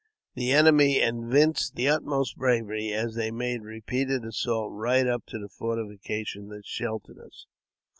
The enemy evinced the utmost bravery, as they made repeated assaults right up to the fortification that sheltered us.